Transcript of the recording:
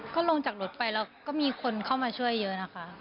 ก็ลงจากรถไปแล้วก็มีคนเข้ามาช่วยเยอะนะคะ